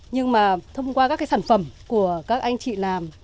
nhưng mà thông qua các cái sản phẩm của các anh chị làm